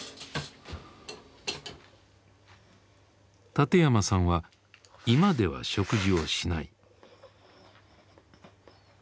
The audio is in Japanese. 館山さんは居間では食事をしない。